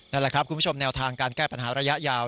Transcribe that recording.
นั่นแหละครับคุณผู้ชมแนวทางการแก้ปัญหาระยะยาว